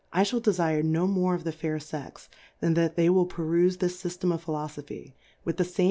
enough, IJIjall dejtre no more of the Fair Sex^ than that they will ferufe this Sy flem of Philofophy, with the feme